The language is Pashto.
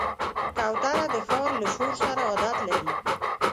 کوتره د ښار له شور سره عادت لري.